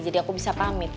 jadi aku bisa pamit